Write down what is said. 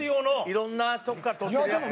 いろんなとこから撮ってるやつ。